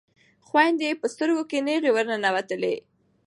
خویندې یې په سترګو کې نیغې ورننوتلې.